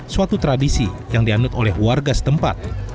suatu tradisi yang dianut oleh warga setempat